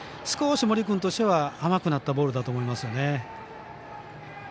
少し森君としては甘くなったボールだと思いますね。